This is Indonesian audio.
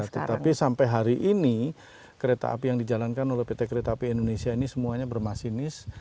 tetapi sampai hari ini kereta api yang dijalankan oleh pt kereta api indonesia ini semuanya bermasinis